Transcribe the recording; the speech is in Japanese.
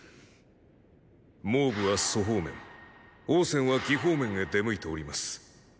蒙武は楚方面王翦は魏方面へ出向いております。